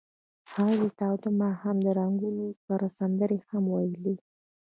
هغوی د تاوده ماښام له رنګونو سره سندرې هم ویلې.